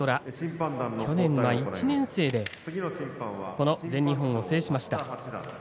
去年は１年生で全日本を制しました。